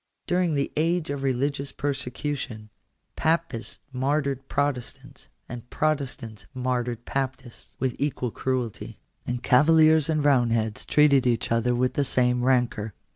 During the age of religious persecu tion, Papists martyred Protestants, and Protestants martyred Papists, with equal cruelty; and Cavaliers and Eoundheads treated each other with the same rancour.